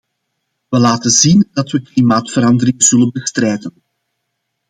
We laten zien dat we klimaatverandering zullen bestrijden.